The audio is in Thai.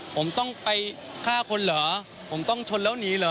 ผมต้องไปฆ่าคนเหรอผมต้องชนแล้วหนีเหรอ